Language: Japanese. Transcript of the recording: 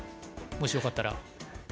もしよかったら。